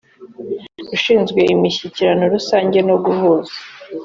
ushinzwe imishyikirano rusange no guhuza